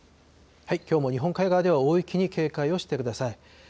きょうも日本海側では大雪に警戒をしてください。